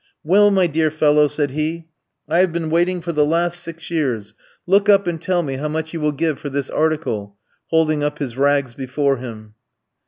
"Well, my dear fellow," said he, "I have been waiting for the last six years; look up and tell me how much you will give for this article," holding up his rags before him.